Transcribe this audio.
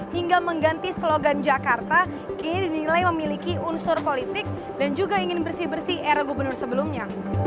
hingga mengganti slogan jakarta kini dinilai memiliki unsur politik dan juga ingin bersih bersih era gubernur sebelumnya